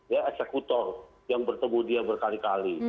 ya eksekutor yang bertemu dia berkali kali